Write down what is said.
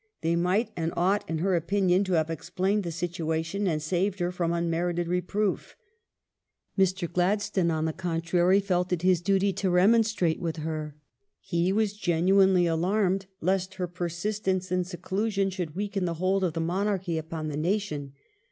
They might and ought, in her opinion, to have explained the situation and saved her fi'om unmerited reproof. Mr. Gladstone, on the contrary, felt it his duty to remonstrate with her.^ He was genuinely alarmed lest her persistence in seclusion should weaken the hold of the Monarchy upon the nation.